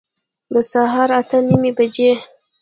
د سهار اته نیمي بجي